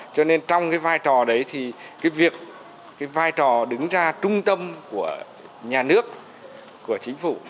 cho nên trong cái vai trò đấy thì cái việc cái vai trò đứng ra trung tâm của nhà nước của chính phủ